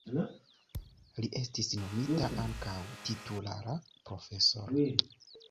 Li estis nomita ankaŭ titulara profesoro.